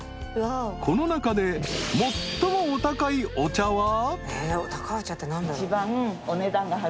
［この中で最もお高いお茶は？］